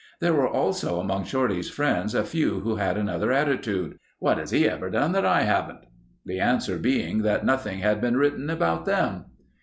There were also among Shorty's friends a few who had another attitude. "What has he ever done that I haven't?" the answer being that nothing had been written about them.